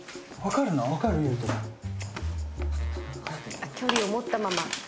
あっ距離を持ったまま。